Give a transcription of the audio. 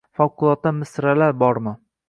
Favqulodda misralar bormi